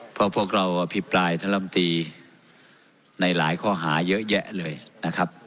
เพราะพวกเราอภิปรายท่านลำตีในหลายข้อหาเยอะแยะเลยนะครับ